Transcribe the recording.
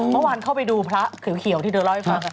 เข้าไปดูพระเขียวที่เธอเล่าให้ฟัง